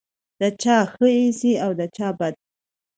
د چا ښه ایسې او د چا بد.